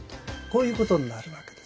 こういうことになるわけですね。